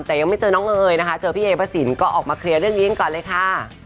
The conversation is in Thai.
แต่ยังไม่เจอน้องเอ๋ยนะคะเจอพี่เอพระสินก็ออกมาเคลียร์เรื่องนี้ก่อนเลยค่ะ